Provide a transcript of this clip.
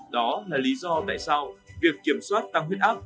đó là lý do tại sao việc kiểm soát tăng huyết áp